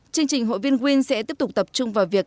chương trình hội viên win sẽ tiếp tục tập trung vào việc